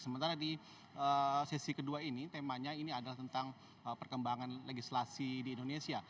sementara di sesi kedua ini temanya ini adalah tentang perkembangan legislasi di indonesia